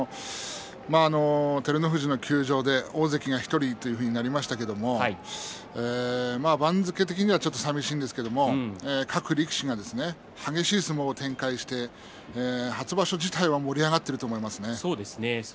照ノ富士の休場で大関が１人というふうになりましたけれども番付的には、ちょっとさみしいんですけれど各力士が激しい相撲を展開して初場所自体は盛り上がっていると思いますね。